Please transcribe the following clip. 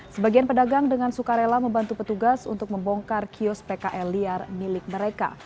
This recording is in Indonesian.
sebagian pedagang dengan suka rela membantu petugas untuk membongkar kios pkl liar milik mereka